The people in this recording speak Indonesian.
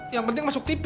yang penting masuk tv